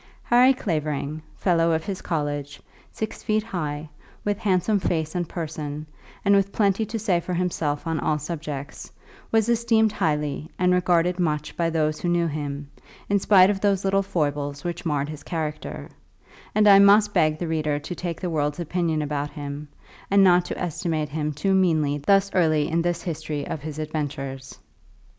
Harry Clavering, fellow of his college, six feet high, with handsome face and person, and with plenty to say for himself on all subjects, was esteemed highly and regarded much by those who knew him, in spite of those little foibles which marred his character; and I must beg the reader to take the world's opinion about him, and not to estimate him too meanly thus early in this history of his adventures.